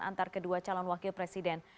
antar kedua calon wakil presiden